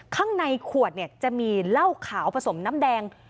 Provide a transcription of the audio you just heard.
ข้างในขวดเนี่ยจะมีเหล้าขาวผสมน้ำแดง